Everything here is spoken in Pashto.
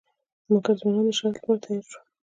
مګر ځوانان د شرط لپاره تیار شول.